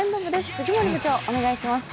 藤森部長お願いします。